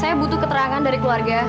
saya butuh keterangan dari keluarga